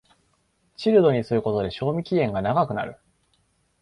チルドにすることで賞味期限が長くなる